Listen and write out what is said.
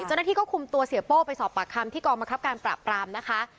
เจ้าหน้าที่ก็คุมตัวเสียโป้ไปสอบปากคำที่กองบังคับการปราบปรามนะคะ